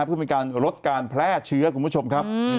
เพื่อเป็นการลดการแพร่เชื้อคุณผู้ชมครับ